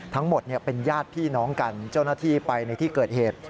ทั้งหมดเป็นญาติพี่น้องกันเจ้าหน้าที่ไปในที่เกิดเหตุ